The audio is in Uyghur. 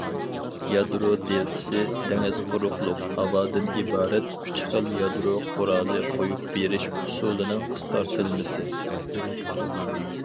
« يادرو دېلتىسى» دېڭىز، قۇرۇقلۇق، ھاۋادىن ئىبارەت ئۈچ خىل يادرو قورالى قويۇپ بېرىش ئۇسۇلىنىڭ قىسقارتىلمىسى.